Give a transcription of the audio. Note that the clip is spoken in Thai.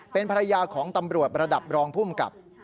เป็นภรรยาของตำรวจระดับรองภูมิกับ